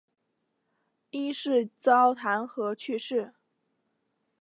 因事遭弹劾去世。